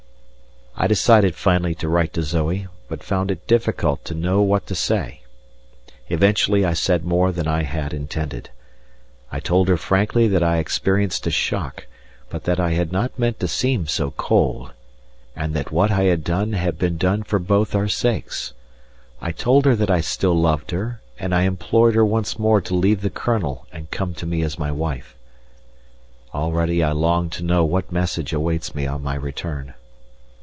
I decided finally to write to Zoe, but found it difficult to know what to say. Eventually I said more than I had intended. I told her frankly that I experienced a shock, but that I had not meant to seem so cold, and that what I had done had been done for both our sakes. I told her that I still loved her, and I implored her once more to leave the Colonel and come to me as my wife. Already I long to know what message awaits me on my return.